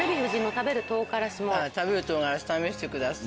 食べる唐からし試してください。